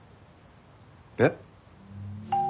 えっ？